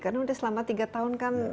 karena sudah selama tiga tahun kan